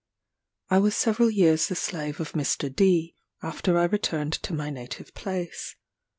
] I was several years the slave of Mr. D after I returned to my native place.